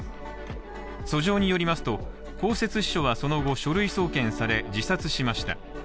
訴状によりますと公設秘書はその後書類送検され、自殺しました。